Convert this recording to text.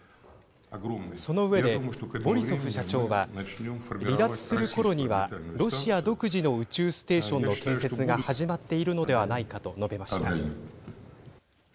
その上で、ボリソフ社長は離脱するころにはロシア独自の宇宙ステーションの建設が始まっているのではないかと述べました。